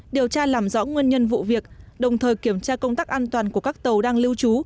điều tra làm rõ nguyên nhân vụ việc đồng thời kiểm tra công tác an toàn của các tàu đang lưu trú